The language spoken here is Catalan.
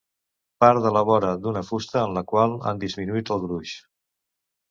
Part de la vora d'una fusta en la qual han disminuït el gruix.